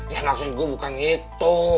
ya maksud gua bukan itu